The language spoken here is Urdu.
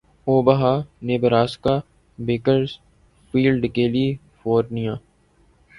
اوہہا نیبراسکا بیکرز_فیلڈ کیلی_فورنیا